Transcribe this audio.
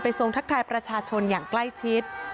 ทรงทักทายประชาชนอย่างใกล้ชิด